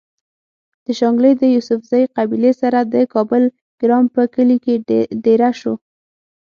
د شانګلې د يوسفزۍقبيلې سره د کابل ګرام پۀ کلي کې ديره شو